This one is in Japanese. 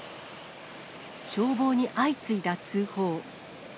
消防に相次いだ通報。